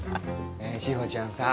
志保ちゃんさ